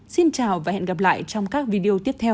xin chào và hẹn gặp lại trong các video tiếp theo